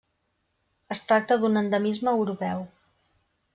Es tracta d'un endemisme europeu.